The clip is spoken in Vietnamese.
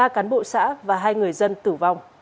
ba cán bộ xã và hai người dân tử vong